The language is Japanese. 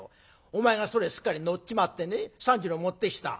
お前がそれすっかり乗っちまってね３０両持ってきた。